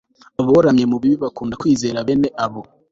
aboramye mu bibi, bakunda kwizera bene ibyo